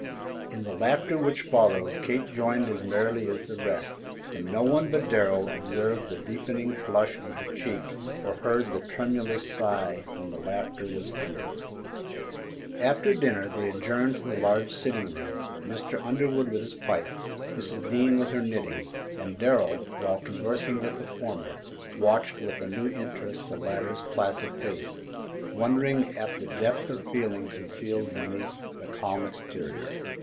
In the laughter which followed Kate joined as merrily as the rest, and no one but Darrell observed the deepening flush on her cheek or heard the tremulous sigh when the laughter was ended. After dinner they adjourned to the large sitting room, Mr. Underwood with his pipe, Mrs. Dean with her knitting, and Darrell, while conversing with the former, watched with a new interest the latter's placid face, wondering at the depth of feeling concealed beneath that calm exterior.